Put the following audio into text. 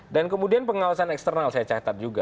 dan kemudian pengawasan eksternal saya catat juga